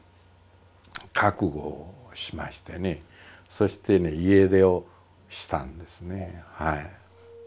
そしてね家出をしたんですね。